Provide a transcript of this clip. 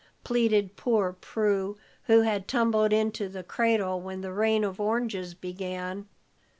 pleaded poor Prue, who had tumbled into the cradle when the rain of oranges began.